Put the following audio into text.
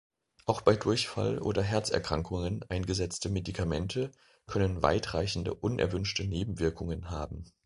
Auch bei Durchfall oder Herzerkrankungen eingesetzte Medikamente können weitreichende unerwünschte Nebenwirkungen haben.